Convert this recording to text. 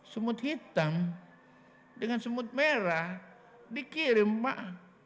semut hitam dengan semut merah dikirim mak